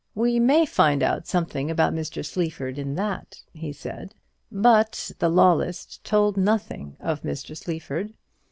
"We may find out something about Mr. Sleaford in that," he said. But the "Law List" told nothing of Mr. Sleaford.